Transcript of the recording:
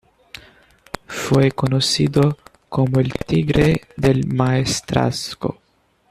Fue conocido como "El Tigre del Maestrazgo".